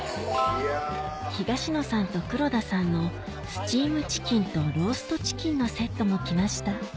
東野さんと黒田さんのスチームチキンとローストチキンのセットも来ました